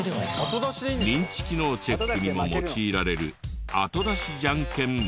認知機能チェックにも用いられる後出しジャンケン負け。